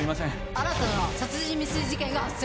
新たな殺人未遂事件が発生。